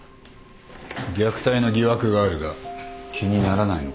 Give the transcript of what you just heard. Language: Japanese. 虐待の疑惑があるが気にならないのか？